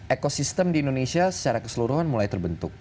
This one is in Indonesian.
ekosistem di indonesia secara keseluruhan mulai terbentuk